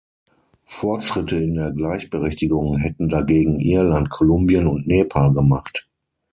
Fortschritte in der Gleichberechtigung hätten dagegen Irland, Kolumbien und Nepal gemacht.